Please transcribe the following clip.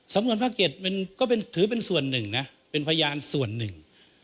สำนวนภาค๗ก็ถือเป็นส่วนหนึ่งนะเป็นพยานส่วนหนึ่ง